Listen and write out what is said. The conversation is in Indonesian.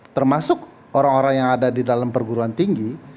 termasuk orang orang yang ada di dalam perguruan tinggi